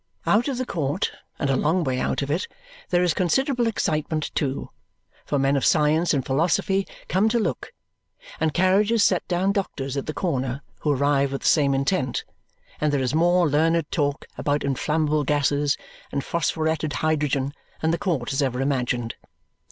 Out of the court, and a long way out of it, there is considerable excitement too, for men of science and philosophy come to look, and carriages set down doctors at the corner who arrive with the same intent, and there is more learned talk about inflammable gases and phosphuretted hydrogen than the court has ever imagined.